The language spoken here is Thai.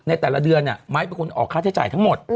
ในแต่ละเดือนไม้เป็นคนออกค่าใช้จ่ายทั้งหมด